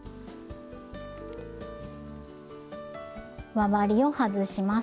輪針を外します。